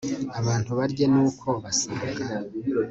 abantu barye nuko basanga